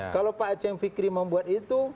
kalau pak aceh fikri membuat itu